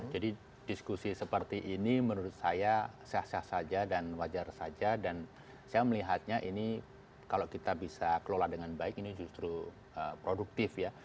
jadi diskusi seperti ini menurut saya seh seh saja dan wajar saja dan saya melihatnya ini kalau kita bisa kelola dengan baik ini justru produktif ya